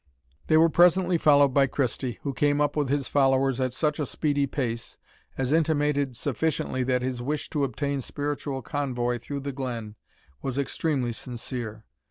They were presently followed by Christie, who came up with his followers at such a speedy pace, as intimated sufficiently that his wish to obtain spiritual convoy through the glen, was extremely sincere.